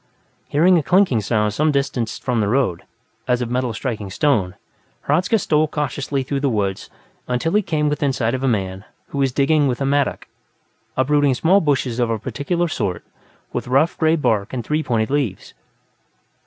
Hearing a clinking sound some distance from the road, as of metal striking stone, Hradzka stole cautiously through the woods until he came within sight of a man who was digging with a mattock, uprooting small bushes of a particular sort, with rough gray bark and three pointed leaves.